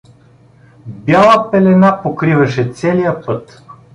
Бяла пелена покриваше целия път.